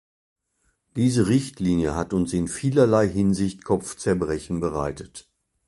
Diese Richtlinie hat uns in vielerlei Hinsicht Kopfzerbrechen bereitet.